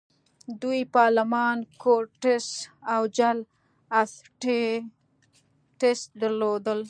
دوی پارلمان، کورټس او جل اسټټس درلودل.